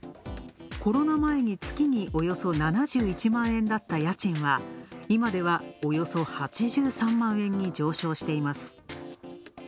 コロナ前に月におよそ７１万円だった家賃は、今では、およそ８３万円に上昇しています。